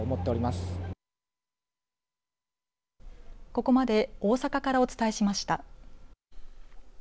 ここまで大阪からお伝えしました。